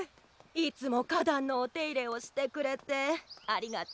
いつも花壇のお手入れをしてくれてありがとうね。